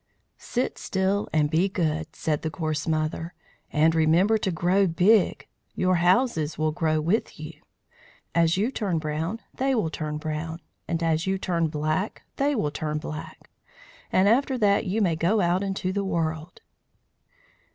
"Sit still and be good," said the Gorse Mother, "and remember to grow big. Your houses will grow with you. As you turn brown they will turn brown, and as you turn black they will turn black. After that you may go out into the world."